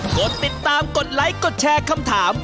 กดติดตามกดไลค์กดแชร์คำถาม